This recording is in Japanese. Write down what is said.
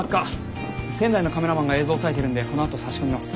仙台のカメラマンが映像押さえてるんでこのあと差し込みます。